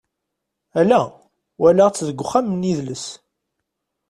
Ala, walaɣ-tt deg wexxam n yidles.